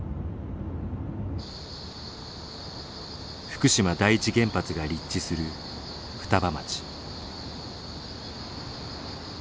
福島第一原発が立地する双葉町。